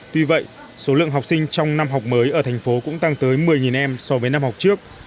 tuy vậy số lượng học sinh trong năm học mới ở thành phố cũng tăng tới một mươi em so với năm học trước